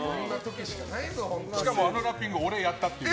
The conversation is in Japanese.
しかもあのラッピング俺がやったっていう。